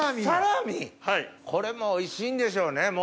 これもおいしいんでしょうね